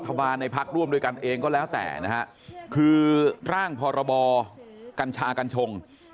บาลในพักร่วมด้วยกันเองก็แล้วแต่นะฮะคือร่างพรบกัญชากัญชง